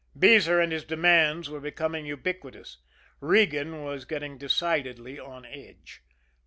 Beezer and his demands were becoming ubiquitous. Regan was getting decidedly on edge.